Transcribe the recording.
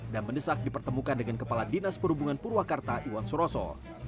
dan mendesak dipertemukan dengan kepala dinas perhubungan purwakarta iwan suroso